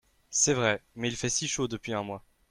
C’est vrai… mais il fait si chaud depuis un mois !